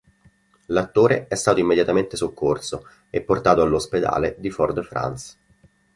L'attore è stato immediatamente soccorso e portato all'ospedale di Fort-de-France.